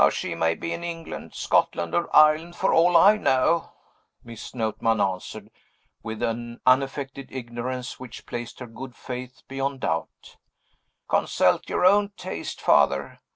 "She may be in England, Scotland, or Ireland, for all I know," Miss Notman answered, with an unaffected ignorance which placed her good faith beyond doubt. "Consult your own taste, Father.